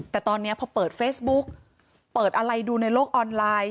แต่ตอนนี้พอเปิดเฟซบุ๊กเปิดอะไรดูในโลกออนไลน์